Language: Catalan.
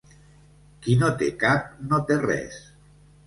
Qui no té cap, no té res.